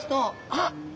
あっ！